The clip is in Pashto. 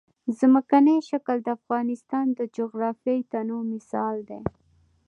ځمکنی شکل د افغانستان د جغرافیوي تنوع مثال دی.